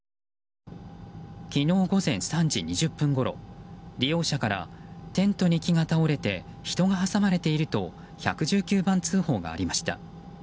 昨日午前３時２０分ごろ利用者からテントに木が倒れて人が挟まれていると１１９番通報がありました。